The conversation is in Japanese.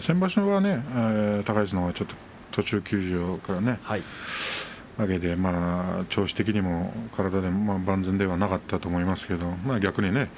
先場所は高安がちょっと途中休場からね調子的にも万全ではなかったと思いますが逆にね